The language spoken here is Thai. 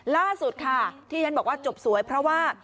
ล่าสุดค่ะที่ฉันบอกว่าจบสวยเพราะว่า